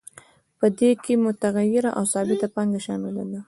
په دې کې متغیره او ثابته پانګه شامله ده